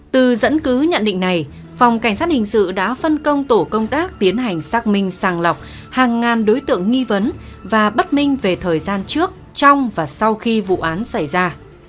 từ dẫn cứ nhận định này phòng cảnh sát hình sự đã phân công tổ công tác tiến hành xác minh sàng lọc hàng ngàn đối tượng nghi vấn và bất minh về thời gian trước trong và sau khi vụ án xảy ra